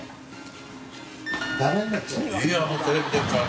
ダメになっちゃうよ。